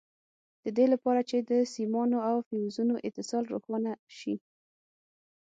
د دې لپاره چې د سیمانو او فیوزونو اتصال روښانه شي.